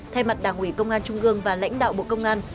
thay mặt đảng ủy công an trung gương và lãnh đạo bộ công an